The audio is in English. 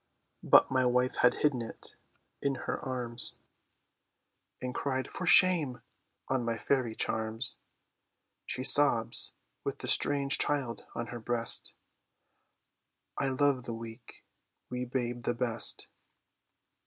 "But my wife had hidden it in her arms, And cried 'For shame!' on my fairy charms; She sobs, with the strange child on her breast: 'I love the weak, wee babe the best!